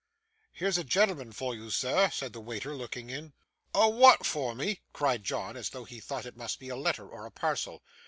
'Here's a gen'l'man for you, sir,' said the waiter, looking in. 'A wa'at for me?' cried John, as though he thought it must be a letter, or a parcel.